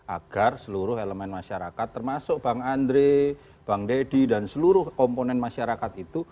agar seluruh elemen masyarakat termasuk bang andre bang deddy dan seluruh komponen masyarakat itu